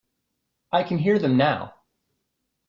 I can hear them now.